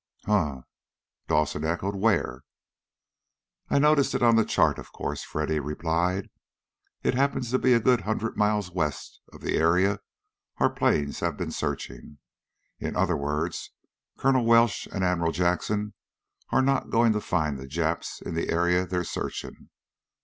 "Huh?" Dawson echoed. "Where?" "I noticed it on the chart, of course," Freddy replied. "It happens to be a good hundred miles west of the area our planes have been searching. In other words, Colonel Welsh and Admiral Jackson are not going to find the Japs in the area they're searching.